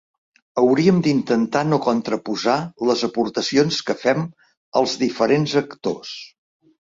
Hauríem d’intentar no contraposar les aportacions que fem els diferents actors.